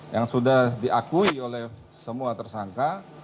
yang sudah diakui oleh semua tersangka